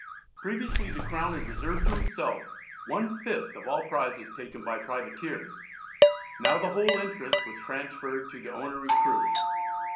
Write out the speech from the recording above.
Previously the Crown had reserved to itself one fifth of all prizes taken by privateers; now the whole interest was transferred to the owner and crew.